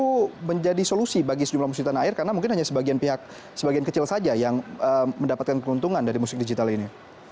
itu menjadi solusi bagi sejumlah musik tanah air karena mungkin hanya sebagian pihak sebagian kecil saja yang mendapatkan keuntungan dari musik digital ini